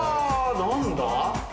何だ？